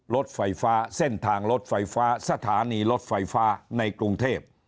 รถไฟฟ้าเส้นทางรถไฟฟ้าสถานีรถไฟฟ้าในกรุงเทพ